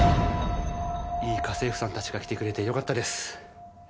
いい家政婦さんたちが来てくれてよかったです。